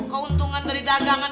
keuntungan dari dagangan